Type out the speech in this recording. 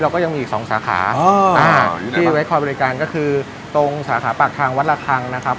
ก็ยังมีอีกสองสาขาที่ไว้คอยบริการก็คือตรงสาขาปากทางวัดระคังนะครับ